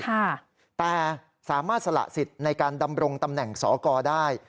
แต่สามารถสละสิทธิ์ในการดำรงตำแหน่งสอกรได้